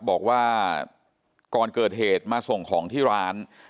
บอกว่าก่อนเกิดเหตุมาส่งของที่ร้าน